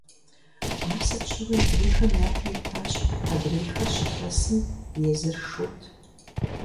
Ар сыт щыгъуи адрейхэм япэ итащ, адрейхэр «щылъэсым», езыр «шут».